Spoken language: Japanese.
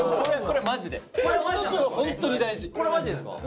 これマジですか。